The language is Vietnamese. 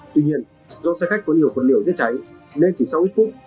tuy nhiên do xe khách có nhiều quần liều dết cháy nên chỉ sau ít phút